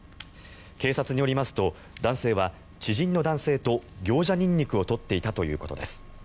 警察によりますと男性は、知人の男性とギョウジャニンニクを採っていたということです。